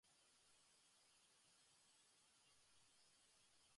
Baina zure kasuan salbuespen bat egingo dut.